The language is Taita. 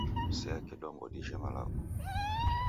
Sea kidombo dijhe malagho.